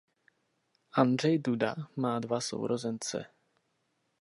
Andrzej Duda má dva sourozence.